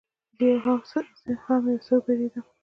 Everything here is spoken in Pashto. زه هم یو څه وبېرېدم.